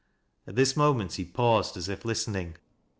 At this moment he paused, as if listening.